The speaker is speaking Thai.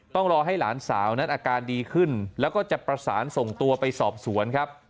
ต้องรอให้หลานสาวนั้นอาการดีขึ้นแล้วก็จะประสานส่งตัวไปสอบสวนครับ